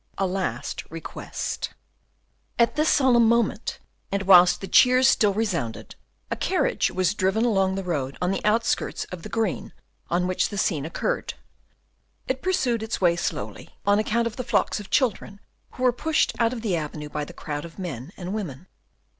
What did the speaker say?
A Last Request At this solemn moment, and whilst the cheers still resounded, a carriage was driving along the road on the outskirts of the green on which the scene occurred; it pursued its way slowly, on account of the flocks of children who were pushed out of the avenue by the crowd of men and women.